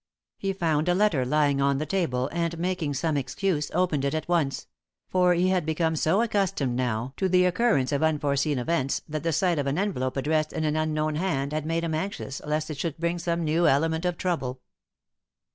He found a letter lying on the table, and, making some excuse, opened it at once; for he had become so accustomed now to the occurrence of unforeseen events that the sight of an envelope addressed in an unknown hand made him anxious lest it should bring some new element of trouble.